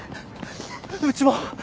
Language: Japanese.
うちも。